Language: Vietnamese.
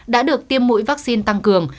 đã được tiêm mũi vaccine tăng cường